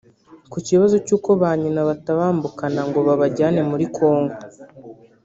Ku kibazo cy’uko ba nyina batabambukana ngo babajyane muri Kongo